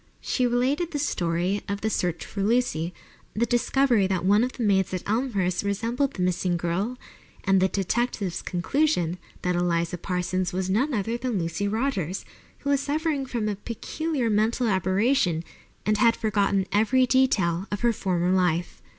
She related the story of the search for Lucy, the discovery that one of the maids at Elmhurst resembled the missing girl, and the detective's conclusion that Eliza Parsons was none other than Lucy Rogers, who was suffering from a peculiar mental aberration and had forgotten every detail of her former life.